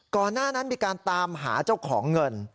ก่อนหน้านั้นมีการตามหาเจ้าของเงิน